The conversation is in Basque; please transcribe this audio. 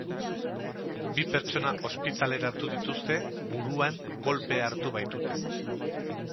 Bi pertsona ospitaleratu dituzte, buruan kolpea hartu baitute.